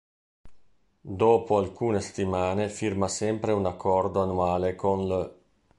Dopo alcune settimane firma sempre un accordo annuale con l'.